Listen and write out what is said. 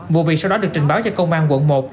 vụ việc sau đó được trình báo cho công an quận một